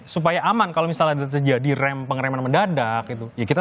supaya aman kalau misalnya ada terjadi rem pengereman mendadak gitu